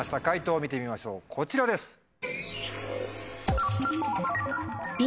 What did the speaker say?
解答見てみましょうこちらです。